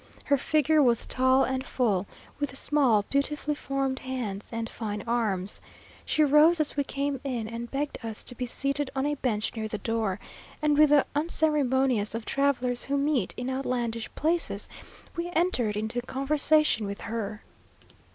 Her figure was tall and full, with small, beautifully formed hands, and fine arms. She rose as we came in, and begged us to be seated on a bench near the door; and with the unceremoniousness of travellers who meet in outlandish places, we entered into conversation with her.